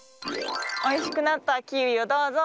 おいしくなったキウイをどうぞ。